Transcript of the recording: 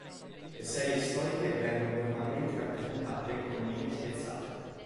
Le serie storiche vengono normalmente rappresentate con linee spezzate.